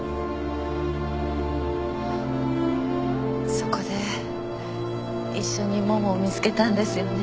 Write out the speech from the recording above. そこで一緒にモモを見つけたんですよね。